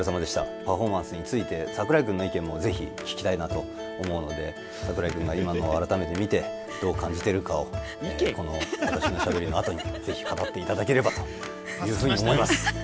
パフォーマンスについて櫻井君の意見もぜひ聞きたいなと思うので櫻井君が今のを改めて見てどう感じているかをこの私のしゃべりのあとにぜひ語っていただければというふうに思います。